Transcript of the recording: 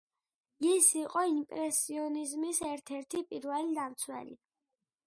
ის იყო იმპრესიონიზმის ერთ-ერთი პირველი დამცველი.